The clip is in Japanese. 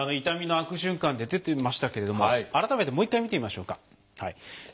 痛みの悪循環って出てましたけれども改めてもう一回見てみましょうか。